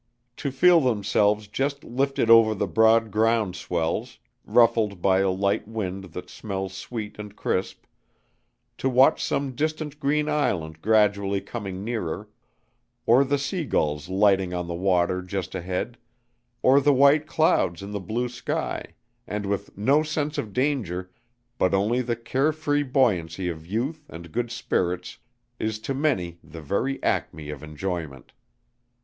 To feel themselves just lifted over the broad ground swells, ruffled by a light wind that smells sweet and crisp; to watch some distant green island gradually coming nearer, or the seagulls lighting on the water just ahead, or the white clouds in the blue sky, and with no sense of danger, but only the care free buoyancy of youth and good spirits, is to many the very acme of enjoyment.